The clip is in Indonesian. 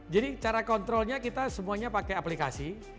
jadi cara kontrolnya kita semuanya pakai aplikasi